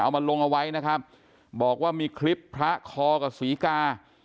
มาลงเอาไว้นะครับบอกว่ามีคลิปพระคอกับศรีกา